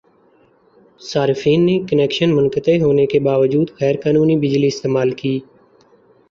صارفین نے کنکشن منقطع ہونے کے باوجودغیرقانونی بجلی استعمال کی